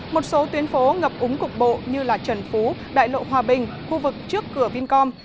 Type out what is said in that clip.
một số tuyến phố ngập úng cục bộ như trần phú đại lộ hòa bình khu vực trước cửa vincom